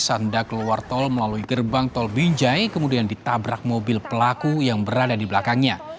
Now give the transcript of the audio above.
sanda keluar tol melalui gerbang tol binjai kemudian ditabrak mobil pelaku yang berada di belakangnya